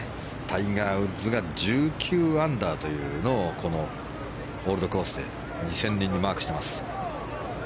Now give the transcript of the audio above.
タイガー・ウッズが１９アンダーというのをこのオールドコースで２０００年にマークしています。